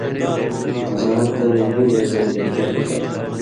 زاں تَیں نِیڙَیں زئ نہ کېں اُتھیاؤ؛